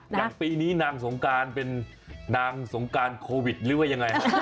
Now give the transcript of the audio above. อย่างปีนี้นางสงการเป็นนางสงการโควิดหรือว่ายังไง